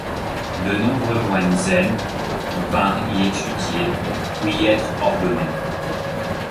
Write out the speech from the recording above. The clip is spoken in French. De nombreux moines zen vinrent y étudier, ou y être ordonnés.